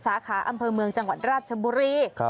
สาขาอำเภอเมืองจังหวัดราชบุรี